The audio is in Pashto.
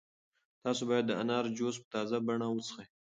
تاسو باید د انار جوس په تازه بڼه وڅښئ.